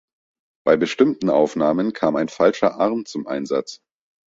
Bei bestimmten Aufnahmen kam ein falscher Arm zum Einsatz.